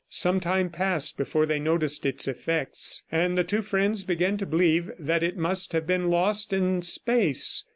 Some time passed before they noticed its effects, and the two friends began to believe that it must have been lost in space.